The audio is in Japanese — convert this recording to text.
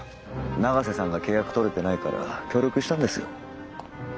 永瀬さんが契約取れてないから協力したんですよ。